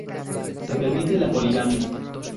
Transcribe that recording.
Se permite la poligamia.